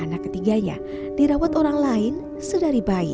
anak ketiganya dirawat orang lain sedari bayi